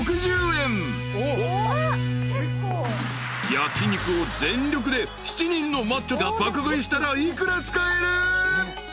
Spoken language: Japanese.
［焼き肉を全力で７人のマッチョが爆食いしたら幾ら使える？］